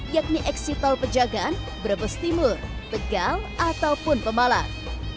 yakni eksitol pejagaan brebes timur begal ataupun pemalat